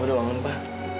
udah bangun pak